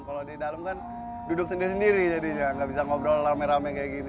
kalau di dalam kan duduk sendiri sendiri jadinya nggak bisa ngobrol rame rame kayak gini